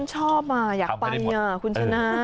ฉันชอบอ่ะอยากปั้นอ่ะคุณชนะ